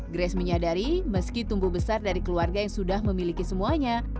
grace menyadari meski tumbuh besar dari keluarga yang sudah memiliki semuanya